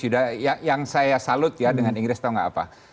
yang saya salut ya dengan inggris tau gak apa